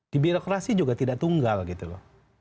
di birokrasi juga tidak tunggal gitu loh